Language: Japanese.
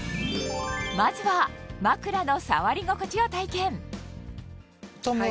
まずは枕の触り心地を体験